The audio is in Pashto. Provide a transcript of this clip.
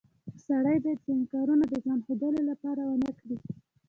سړی باید ځینې کارونه د ځان ښودلو لپاره ونه کړي